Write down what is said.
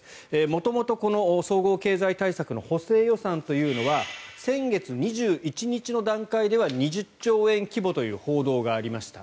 元々、この総合経済対策の補正予算というのは先月２１日の段階では２０兆円規模という報道がありました。